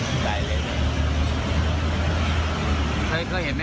เคยเคยเห็นไหมครับเนี่ยแบบนี้